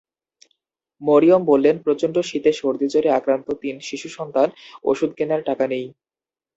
মরিয়ম বললেন, প্রচণ্ড শীতে সর্দিজ্বরে আক্রান্ত তিন শিশুসন্তান, ওষুধ কেনার টাকা নেই।